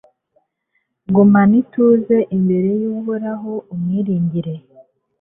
gumana ituze imbere y'uhoraho, umwiringire